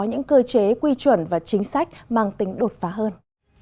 những cơ chế quy chuẩn và chính sách mang tính đột phá hơn